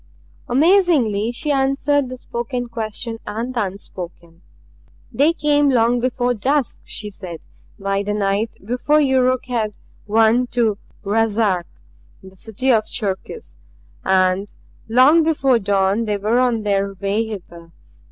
Amazingly she answered the spoken question and the unspoken. "They came long before dusk," she said. "By the night before Yuruk had won to Ruszark, the city of Cherkis; and long before dawn they were on their way hither.